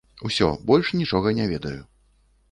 Усё, больш нічога не ведаю.